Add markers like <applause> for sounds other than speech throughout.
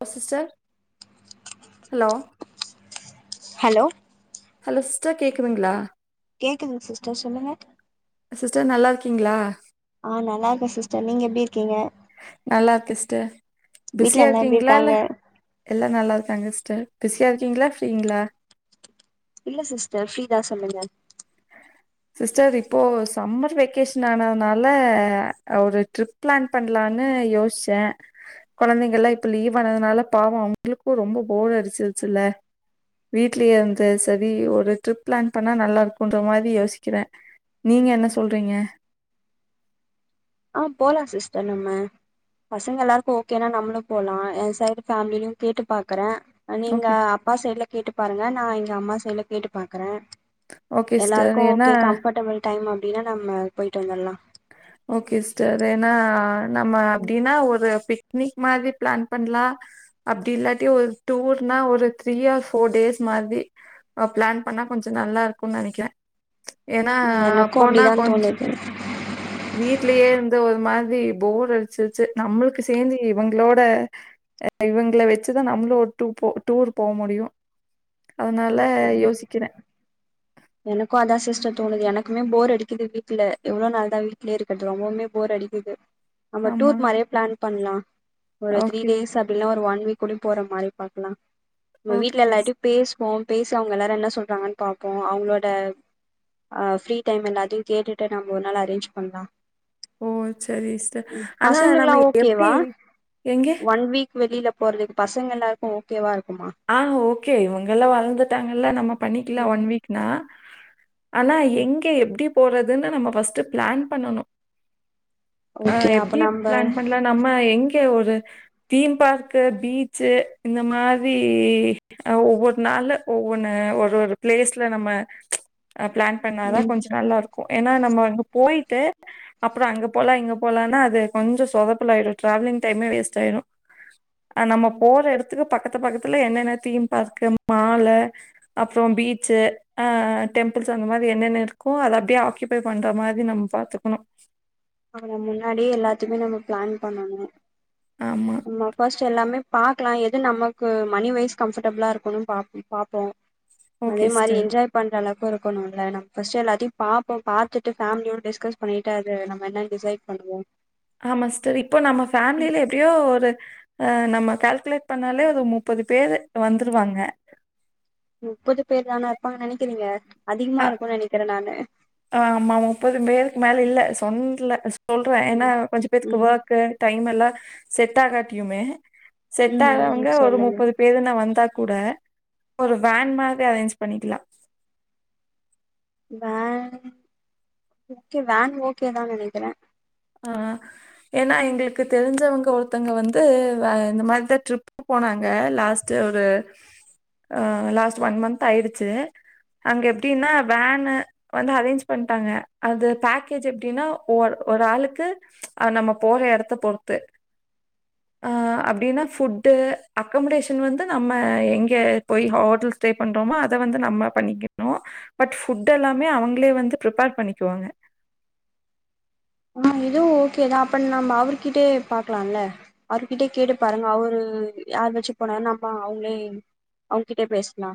<unintelligible> Sister hello hello hello sister கேக்குதுங்களா கேக்குதுங்க sister சொல்லுங்க சிஸ்டர் நல்லா இருக்கீங்களா ஆ நல்லா இருக்கே சிஸ்டர் நீங்க எப்டி இருக்கீங்க நல்லா இருக்க சிஸ்டர் வீட்ல பிஸியா எல்லா எப்டி இருக்கீங்களா இல்ல இருக்காங்க எல்லா நல்லா இருக்காங்க சிஸ்டர் பிஸியா இருக்கீங்களா ஃப்ரீங்களா இல்ல சிஸ்டர் ஃப்ரீதா சொல்லுங்க சிஸ்டர் இப்போ சம்மர் வெக்கேஷன் ஆனதுனால ஒரு ட்ரிப் பிளான் பண்ணலான்னு யோசிச்சே கொழந்தைங்க எல்லா இப்ப லீவ் ஆனதுனால பாவோ அவங்களுக்கு ரொம்ப போர் அரிச்சுருச்சுல்ல வீட்லே சதி ஒரு ட்ரிப் பிளான் பண்ணா நல்லா இருக் கொஞ்சமாது யோசிக்கிறே நீங்க என்ன சொல்றீங்க ஆ போலா சிஸ்டர் நம்ம பசங்க எல்லாருக்கு ஓகேனா நம்மளு போலா எ சைடு ஃபேமிலிலயு கேட்டு பாக்குறே நீங்க ஓகே அப்பா சைட்ல கேட்டு பாருங்க நா எங்க அம்மா சைட்ல கேட்டு பாக்குறே ஓகே எல்லாருக்கு சிஸ்டர் ஏன்னா ஓகே கம்ஃபர்ட்டபிள் டைம் அப்டின்னா நம்ம போயிட்டு வந்துடலா ஓகே சிஸ்டர் ஏன்னா நம்ம ம் அப்டின்னா ஒரு பி இன்னைக்கு மாரி ப்ளான் பண்லா அப்டி இல்லாட்டி ஒரு டூர்னா ஒரு த்ரீ ஆர் ஃபோர் டேஸ் மாதிரி ஆ பிளான் பண்ணா கொஞ்ச நல்லாருக்கும்னு நெனைக்கிறே ஏன்னா எனக்கு அப்பனா அப்டிதா கொஞ்ச தோணுது வீட்லயே இருந்து ஒரு மாரி போர் அடிச்சிருச்சு நம்மளுக்கு சேந்து இவங்களோட ஆஷஇவங்கள வச்சுதா நம்மளு ஒரு டூர் போ டூர் போ முடியு அதுனால ம் போனு யோசிக்கிற எனக்கு அதா சிஸ்டர் தோணுது எனக்குமே போர் அடிக்குது வீட்ல எவ்வளோ நாள் தா வீட்லயே இருக்கறது ரொம்பவுமே போர் அடிக்குது நம்ம ஆமா டூர் மாரி பிளான் பண்லா ஒரு த்ரீ ஓகே டேஸ் அப்பில்லன்னா ஒரு ஒன் வீக் கூடி போற மாரி பாக்கலா உங்க ஓகே வீட்ல சிஸ் எல்லார்ட்டியு பேசுவோ பேசி அவுங்க எல்லாரு என்ன சொல்றாங்கன்னு பாப்போ ஆ அவுங்களோட ஆ ஃப்ரீ டைம் எல்லாத்தையு கேட்டுட்டு நம்ம ஒரு நாள் அரேஞ்ச் பண்லா ஓ சரி சிஸ்டர் ஆனா பசங்கள்லா நம்ம எப்டி ஓகேவா எங்க ஒன் வீக் வெளியில போறதுக்கு பசங்க எல்லாருக்கு ஓகேவா இருக்குமா ஆ ஓகே இவங்கள்லா வளந்துட்டாங்கல்ல நம்ம பண்ணிக்கலா ம் ஒன் வீக்னா ஆனா எங்க எப்டி போறதுன்னு நம்ம ஃபஸ்ட்டு பிளான் பண்ணனு ஆ ஓகே அப்ப எப்டி நம்ப பிளான் பண்லா நம்ம எங்க ஒரு தீம் பார்க்கு பீச்சு இந்த மா ரி ஆ ஒவ்வொரு நாள்ல ஒவ்வொன்னு ஒரு ஒரு பிளேஸ்ல நம்ம ஆ பிளான் பண்ணாதா ம் கொஞ்ச நல்லாருக்கும் ஏன்னா நம்ம அங்க போயிட்டு அப்புற அங்க போலாம் இங்க போலானா அது கொஞ்ச சொதப்பலாயிடு டிராவலிங் டைமே வேஸ்ட் ஆயிடு ஆ நம்ம போற எடத்துக்கு பக்கத்து பக்கத்துல என்னென்ன தீம் பார்க்கு மாலு அப்புறம் பீச்சு ஆ டெம்பிள்ஸ் அந்த மாண்ரி என்னென்ன இருக்ககோ அதை அப்படியே பண்ற மாதிரி நம்ம பாாரத்துக்கணும் ஆனா முன்னாடியே எல்லாத்தையுமே நம்ம பிளான் பண்ணணு ஆமா நம்ம ஃபஸ்ட் எல்லாமே பாக்கலா எது நமக்கு மனிவைஸ் கம்ஃபர்ட்டபிளா இருக்கும்னு பா பாப்போ <unintelligible> <inaudible> அதே மாரி சிஸ்டர் என்ஜாய் பண்றளவுக்கு இருக்கணும்ல ஃபஸ்ட்டு எல்லாத்தையு பாப்போ பாத்துட்டு ஃபேமிலியோட டிஸ்கஸ் பண்ணிட்டு அது நம்ம என்னன் டிசைட் பண்ணுவோ ஆமா சிஸ்டர் இப்போ நம்ம ம் ஃபேமிலியில எப்டியோ ஒரு ஆ நம்ம கால்குலேட் பண்ணாலே ஒரு முப்பது பேரு வந்துருவாங்க முப்பது பேர் தானா இருப்பாங்கன்னு நெனைக்கிறீங்க அதிகமா அ இருக்கும்னு நெனைக்கிற நானு ஆமா முப்பது பேருக்கு மேல இல்ல சொன்ல சொல்ற ஏன்னா ம் கொஞ்ச பேர்த்துக்கு ம் ஒர்க் கு டைம் எல்லா செட் ஆகட்டியுமே செட் ம் ம் ஆகவங்க ஒரு சொல்லுங்க முப்பது பேருன்னு வந்தா கூட ஒரு வேன் மாரி அரேஞ்ச் பண்ணிக்கலா வேன் ஓகே வேன் ஓகேதா நெனைக்கிறே ஆ ஏன்னா எங்களுக்கு தெரிஞ்சவங்க ஒருத்தங்க வந்து வே இந்த மாரிதா ட்ரிப் போனாங்க லாஸ்ட்டு ஒரு ஆ லாஸ்ட் ஒன் மந்த் ஆயிடுச்சு அங்க எப்டின்னா வேன்னு வந்து அரேஞ்ச் பண்ட்டாங்க அது பேக்கேஜ் எப்டின்னா ஒ ஒரு ஆளுக் கு அது நம்ம போற எடத்த பொறுத்து ஆ அப்டின்னா ஃபுட்டு அக்கமடேஷன் வந்து நம்ம எங்க போய் ஹோட்டல்ஸ் ட்ரை பண்றோமோ அத வந்து நம்ம பண்ணிக்கணு பட் ஃபுட் எல்லாமே அவங்களே வந்து ப்ரிப்பேர் பண்ணிக்குவாங்க ஆ இதுவு ஓகேதா அப்ப நம்ம அவர்கிட்டேயே பாக்கலாம்ல அவருக்கிட்டே கேட்டு பாருங்க அவரு யார் வச்சு போனாரு நம்ப அவுங்களே அவுங்கிட்ட பேசலா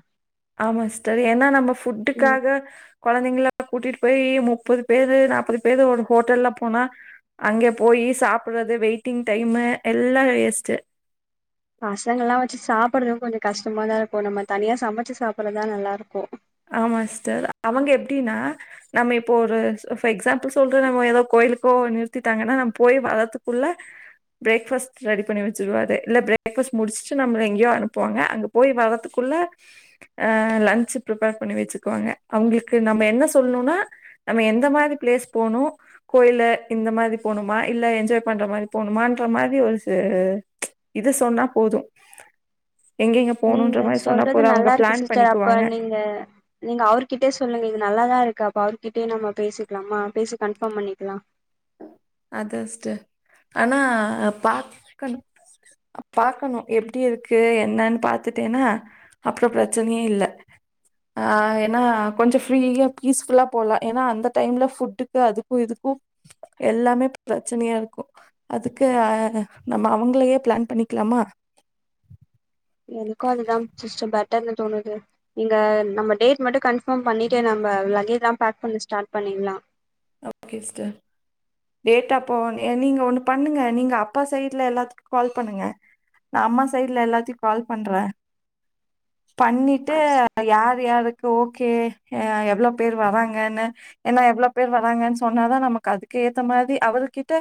ஆமா சிஸ்டர் ஏன்னா நம்ம ம் ஃபுட்டுக்காக கொழந்தைங்கலாம் கூட்டிட்டு போய் முப்பது பேரு நாப்பது பேரு ஒரு ஹோட்டல்ல போனா அங்கே போயி சாப்டுறது வெயிட்டிங் டைமு எல்லாம் வேஸ்ட்டு பசங்கல்லாம் வச்சு சாப்றதும் கொஞ்சம் கஷ்டமாதான் இருக்கும். நம்ம தனியா சமைச்சு சாப்டுறதுதா நல்லா இருக்கும். ஆமா சிஸ்டர் அவங்க எப்டின்னா. நம்ம இப்போ ஒரு எக்ஸாம்பிள் சொல்ற நம்ம எப்போதும் கோயிலுக்கோ நிறுத்திட்டாங்கன்னா, நம்ம போய் வளரதுக்குள்ள பிரேக் ஃபஸ்ட் ரெடி பண்ணி வச்சிருவாரு இல்ல பிரேக் ஃபஸ்ட் முடிச்சுட்டு நம எங்கே அனுப்புவாங்க போய் வரறதுக்குள்ளே லன்சு ப்ரிப்பேர் பண்ணி வச்சுக்குவாங்க அவங்களுக்கு நம்ம என்ன சொல்லணுனா நம்ம எந்த மாரி பிளேஸ் போணு கோயில இந்த மாதிரி போணுமா இல்ல என்ஜாய் பண்ற மாதிரி போணுமான்ற மாதிரி ஒரு ச இது சொன்னா போதும் எங்க எங்க போனுன்ற நீங்க மாதிரி சொன்னா போதும், அவங்க பிளான் பண்ணிக்குவாங்க. இல்ல நீங்க அவர்கிட்டயே சொல்லுங்க இது நல்லாதா இருக்கு அப்ப அவர்கிட்டயே நம்ம பேசிக்கலாமா பேசி கன்ஃபார்ம் பண்ணிக்கலா அதா சிஸ்டர் ஆனா பாக்கனு பாக்கணு எப்படி இருக்கு என்னனு பாத்துட்டேனா அப்றோ பிரச்சனயே இல்ல ஆ ஏன்னா கொஞ்சம் ஃப்ரீயாக பீஸ்ஃபுல்லா போலாம். ஏன்னா அந்த டைமில ஃபுட்டுக்கு அதுக்கும் இதுக்கும். <inaudible> எல்லாமே பிரச்சனையா இருக்கும். அதுக்கு நம்ம அவங்களையே பிளான் பண்ணிக்கலாமா. எனக்கு அதுதா சிஸ்டர் பெட்டர்னு தோணுது நீங்க நம்ம டேட் மட்டு கன்ஃ பாம் பண்ணிட்டு நம்ம லகேஜ்லாம் பேக் பண்ண ஸார்ட் பண்ணிடலாம் ஓகே சிஸ்டர் டேட்ட அப்போ நீங்க ஒண்ணு பண்ணுங்க நீங்க அப்பா சைட்ல எல்லாத்துக்கும் கால் பண்ணுங்க நா அம்மா சைடுல எல்லாத்தையும் கால் பண்றேன். பண்ணிட்டு யார் யாருக்கு ஓகே எவ்ளோ பேர் வராங்கன்னு ஏன்னா எவ்ளோ பேர் வராங்கன்னு சொன்னாதா நமக்கு அதுக்கு ஏத்த மாரி அவரு கிட்ட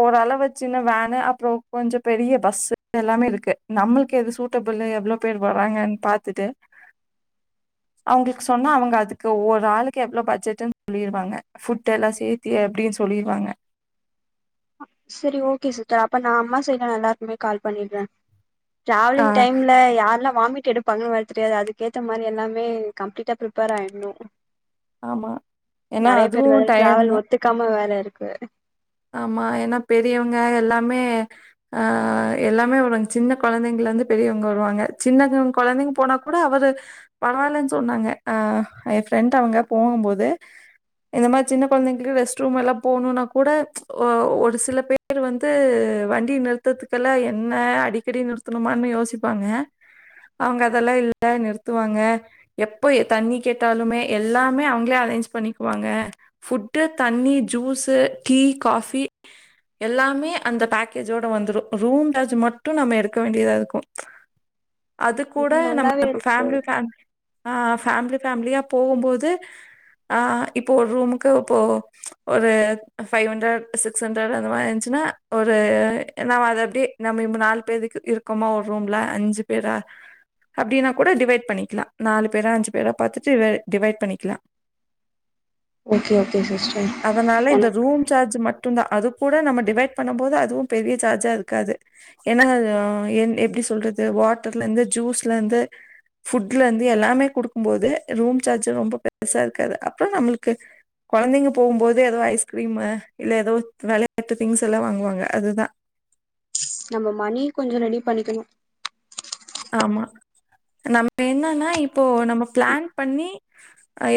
ஓரளவு சின்ன வேனு, அப்புறோ கொஞ்சம் பெரிய பஸ்ஸு எல்லாமே இருக்கு. நம்மளுக்கு எது சூட்டபிள் எவ்வளோ பேர் வராங்கன்னு பாத்துட்டு அவங்களுக்கு சொன்னா அவங்க அதுக்கு ஒரு ஆளுக்கு எவ்வளோ பட்ஜெட்ன்னு சொல்லிருவாங்க. ஃபுட் எல்லா சேத்தியே அப்டின் சொல்லிருவாங்க சரி ஓகே சிஸ்டர் அப்ப நான் அம்மா சைடுல எல்லாருக்குமே கால் பண்ணிடுறேன் ஆ டிராவலி்ங் டைம்ல யாரெல்லாம் வாமிட் எடு பங்க வர தெரியாது. அதுக்கேத்த மாதிரி எல்லாமே கம்ப்ளீட்டா ப்ரிப்பேர் ஆயிடணும். ஆமா ஏன்னா நேறைய பேரு வேற அதுவும் டயர்டு தான் டிராவல் ஒத்துக்காம வேற இருக்கு. ஆமா ஏனா பெரியவங்க எல்லாமே அ எல்லாமே வருவாங்க சின்ன குழந்தைங்கைல இருந்து பெரியவங்க வருவாங்க சின்ன குழந்தைங்க போனா கூட அவரு பரவாயில்லன்னு சொன்னாங்க அ என் ஃப்ரெண்ட் அவங்க போகும்போது இந்த மாதிரி சின்ன குழந்தைங்களுக்கு ரெஸ்ட் ரூம் எல்லாம் போணும்னா கூட ஒரு சில பேர் வந்து, வண்டி நிறுத்தறதுக்கெல்லாம் என்ன அடிக்கடி நிறுத்த பத்துமானு யோசிப்பாங்க அவங்க அதெல்லா இல்ல நிறுத்துவாங்க எப்ப தண்ணி கேட்டாலுமே எல்லாமே அவங்களே அரேஞ்ச் பண்ணிக்குவாங்க ஃபுட்டு், தண்ணி, ஜூஸ், டீ, காபி எல்லாமே அந்த பேக்கேஜோட வந்துடு ரூம்சார்ஜ் மட்டு நம்ம எடுக்க வேண்டியதா இருக்கு அது கூட இது நல்லாவே நம்ம இருக்கு ஃபேமிலி ஃபேமிலி ஆ ஃபேமிலி ஃபேமிலியா போகும் போது ஆ இப்போ ஒரு ரூமுக்கு இப்போ ஒரு ஃபைவ் ஹண்டரட் சிக்ஸ் அண்ரட்டு அந்த மாறி இருந்துச்சுன்னா ஒரு நம்ம அத அப்டியே நம்ம இம் நாலு பேருக்கு இரு க்கமா ஒரு ரூம்ல அஞ்சு பேரா அப்படின்னா கூட டிவைட் பண்ணிக்கலா நாலு பேரா அஞ்சு பேரா பாத்துட்டு டிவைட் பண்ணிக்கலா <inaudible> ஓகே ஓகே சிஸ்டர் அதனால இந்த எனக்கு ரூம் சார்ஜ் மட்டுந்தா அது கூட நம்ம டிவைட் பண்ணும் போது அதுவும் பெரிய சார்ஜா இருக்காது என்னங்க என் எப்டி சொல்றது வாட்டர்ல இருந்து ஜூஸ்ல இருந்து ஃபுட்ல இருந்து எல்லாமே குடுக்கும் போது ரூம் சார்ஜ் ரொம்ப பெருசா இருக்காது அப்பற நம்மளுக்கு கொழந்தைங்க போகும்போது ஏதோ ஐஸ்கிரீமு இல்ல ஏதோ வெளையாட்டு திங்ஸ் எல்லா வாங்குவாங்க அதுதா நம்ம மணி கொஞ்ச ரெடி பண்ணிக்கணு ஆமா நம்ம என்னன்னா இப்போ நம்ம ப்ளான் பண்ணி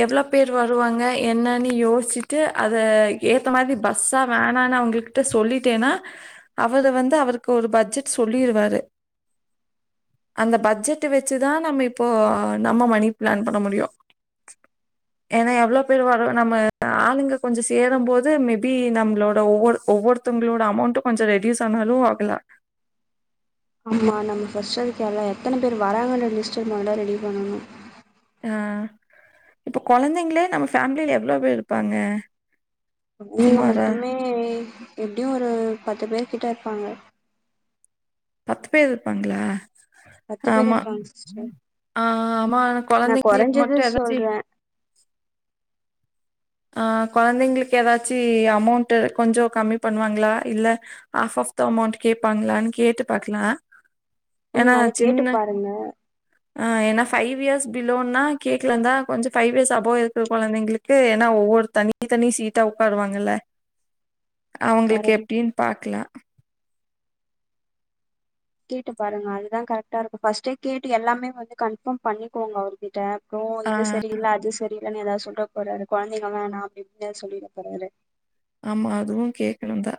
எவ்வளோ பேர் வருவாங்க என்னன்னு யோசிச்சுட்டு அத ஏத்த மாதிரி பஸ்ஸா வேனானா அவங்ககிட்ட சொல்லிட்டேன்னா அவரு வந்து அவருக்கு ஒரு பட்ஜெட் சொல்லிருவாரு அந்த பட்ஜெட் வச்சுதா நம்ம இப்போ நம்ம மணி ப்ளான் பண்ண முடியு ஏன்னா எவ்வளோ பேர் வரு நம்ம ஆளுங்க கொஞ்ச சேரும் போது மேபி நம்மளோட ஒவ்வொரு ஒவ்வொரு தங்களோட அமௌண்ட்டு கொஞ்ச ரெடியூஸ் ஆனாலு ஆகலா ஆமமா நம்ம ஃபர்ஸ்ட் டு அதுக்கு எல்லா எத்தனை பேர் வராங்கன்ற லிஸ்ட்ட மொதல்ல ரெடி பண்ணணு ஆ இப்போ கொழந்தைங்களே நம்ம ஃபேமிலியில எவ்வளோ பேர் இருப்பாங்க அவுங்க சுமாரா மட்டுமே எப்படியு ஒரு பத்து பேரு கிட்ட இருப்பாங்க பத்து பேர் இருப்பாங்களா பத்து பேர் ஆமா இருப்பாங்க சிஸ்டர் ஆ ஆமா ஆனா நா கொழந்தைங்களுக்கு கொறஞ்சது மட்டு ஏதாச்சி சொல்றே ஆ கொழந்தைங்களுக்கு ஏதாச்சு அமௌண்ட்டு கொஞ்ச கம்மி பண்ணுவாங்களா இல்ல ஹாஃப் ஆஃப் த அமௌண்ட் கேப்பாங்களான்னு கேட்டு பாக்கலா ஏனா ம் அத கேட்டு சின்ன பாருங்க ஆ ஏனா ஃபைவ் இயர்ஸ் பிலோன்னா கேக்கலதா கொஞ்ச ஃபைவ் இயர்ஸ் அபோ இருக்குற கொழந்தைங்களுக்கு நா ஒவ்வொரு தனி தனி சீட்டா உக்காருவாங்கல்ல அவங்களுக்கு கரெக்ட் எப் டின் பாக்கலா கேட்டு பாருங்க அதுதா கரெக்டா இருக்கு ஃபஸ்ட்டே கேட்டு எல்லாமே வந்து கன்ஃபர்ம் பண்ணிக்கோங்க அவருக் ட்ட அப்பறோ ஆ இது சரி இல்ல அது சரி அப்டி இல்லன்னு ஏதாவது சொல்ல போறாரு கொழந்தைங்க வேணா அப்படின் சொல்லிட போறாரு ஆமா அதுவு கேக்ணும்தா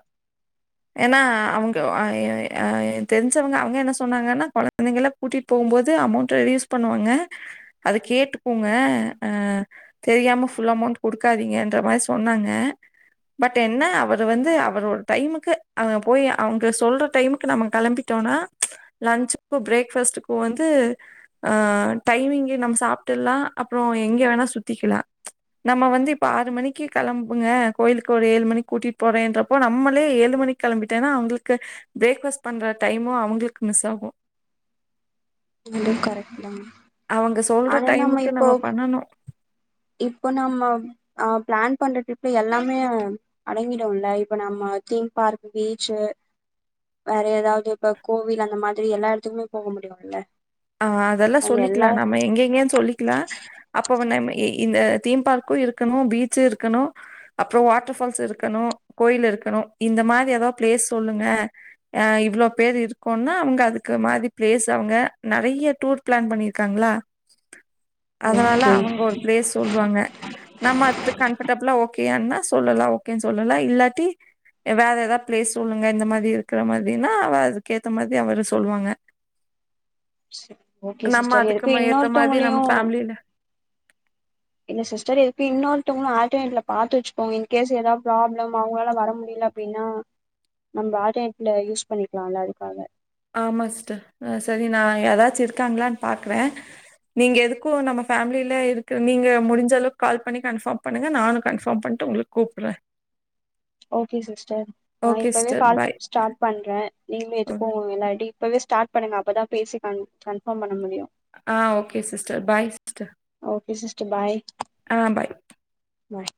ஏன்னா அவங்க ஏ ஏ ஏ தெரிஞ்சவங்க அவங்க என்ன சொன்னாங்கன்னா கொழந் தைகள கூட்டிட்டு போகும்போது அமோண்ட் ரெடியூஸ் பண்ணுவாங்க அது கேட்டுக்கோங்க ஆ தெரியாம ஃபுல் அமௌண்ட் குடுக்காதீங்கன்ற மாரி சொன்னாங்க பட் என்ன அவரு வந்து அவரோட டைமுக்கு அவ போய் அவங்க சொல்ற டைமுக்கு நம்ம கெளம்பிட்டோம்னா லன்சுக்கு பிரேக் ஃபாஸ்ட்டுக்கு வந்து ஆ டைமிங்க நம்ம சாப்டுடலா அப்பற எங்க வேணா சுத்திக்கலா நம்ம வந்து இப்ப ஆறு மணிக்கு கெளம்புங்க கோயிலுக்கு ஒரு ஏழு மணி கூட்டிட்டு போறேன்றப்போ நம்மளே ஏழு மணி கெளம்பிட்டேன்னா அவங்களுக்கு பிரேக் ஃபஸ்ட் பண்ற டைமு அவங்களுக்கு மிஸ் ஆகு அதுவும் கரெக்ட் தான் அவங்க சொல்ற டைமுக்கு நம்ம பண்ணனும். இப்போ நம்ம அ பிளான் பண்ற ட்ரிப்ல எல்லாமே, அடங்கிடூம்ல இப்ப நம்ம தீம் பார்க் பீச்சு வேற ஏதாவது இப்ப கோவில் அந்த மாதிரி எல்லா இடத்துக்குமே போக முடியுமுல்ல ஆ அதெல்லா சொல்லிக்கலா நம்ம எங்க எங்கன்னு சொல்லிக்கலா அப்பவே நம்ம இந்த தீம் பார்க்கு இருக்கணு பீச்சு இருக்கணு அப்ரொ வாட்டர் ஃபால்ஸ் இருக்கணு கோயில் இருக்கணு இந்த மாரி ஏதாது பிளேஸ் சொல்லுங்க அ இவ்ளோ பேர் இருக்கோனா அவங்க அதுக்கு மாதி பிளேஸ் அவங்க நெறையா டூர் பிளான் பண்ணிருக்காங்களா அதனால ஓகே அவங்க ஒரு பேஸ் சொல்வாங்க. நம்ம அது கம்ஃபர்டபிளா ஓகேனா சொல்லலா ஓகேனு சொல்லலா இல்லாட்டி வேற ஏதா பிளேஸ் சொல்லுங்க இந்த மாதி இருக்கிற மாதினா அவ அதுக்க ஏத்த மாதி அவரு சொல்லுவாங்க சரி ஓகே நம்ம சிஸ்டர் அதுக்கு எதுக்கு ம ஏத்த மாதிரி இன்னொருத்தவங்களையு நம்ம ஃபேமிலி இல்ல சி்ஸ்டர் எதுக்கு இன்னொருதவங்கள ஆட்டோமெட்ல பாத்து வச்சுகோங்க இன்கேஸ் எதாது ப்ராப்ளம் அவங்களால வர முடியல அப்டின்னா நம்ம ஆட்நெட்ல யூஸ் பண்ணிக்கலால அதுக்காக ஆமா சிஸ்டர் அ சரி நா யாராச்சு இருக்காங்களான்னு பாக்குற நீங்க எதுக்கும் நம்ம ஃபேமிலியிலே இருக்கிற நீங்க முடிஞ்ச அளவுக்கு கால் பண்ணி கன்ஃபாம் பண்ணுங்க நானும் கன்ஃபாம் பண்ணிட்டு உங்களு கூப்ட்ற ஓகே சிஸ்டர் நா ஓகே இப்பவே சிஸ்டர் கால் பாய். ஸ்டாட் பண்றே நீங்க எதுக்கும் முன்னாடி இப்பவே ஸ்டாட் பண்ணுங்க அப்பதா பேசி கன்-கன்ஃபாம் பண்ண முடியு ஆ okay sister bye sister. Okay sister bye ஆ பாய் பாய்